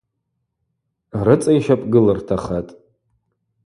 Рыцӏа йщапӏгылыртахатӏ.